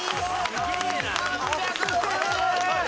すげぇな！